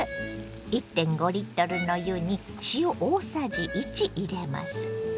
１．５の湯に塩大さじ１入れます。